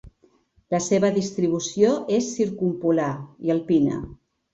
La seva distribució és circumpolar i alpina.